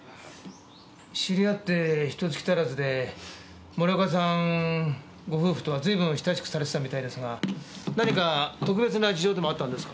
知り合ってひと月足らずで森岡さんご夫婦とは随分親しくされてたみたいですが何か特別な事情でもあったんですか？